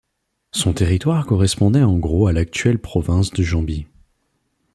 Son territoire correspondait en gros à l'actuelle province de Jambi.